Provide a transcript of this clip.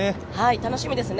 楽しみですね。